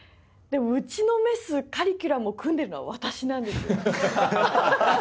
でも打ちのめすカリキュラムを組んでるのは私なんですよ。